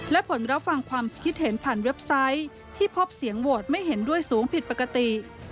และผลรับฟังความคิดเห็นผ่านเว็บไซต์ที่พบเสียงโหวตไม่เห็นด้วยสูงผิดปกติ